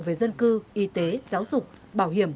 về dân cư y tế giáo dục bảo hiểm